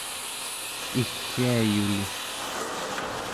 iggiayuli